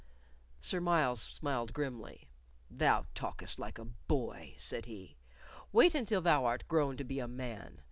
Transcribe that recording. Sir James smiled grimly. "Thou talkest like a boy," said he. "Wait until thou art grown to be a man.